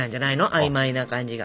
曖昧な感じが。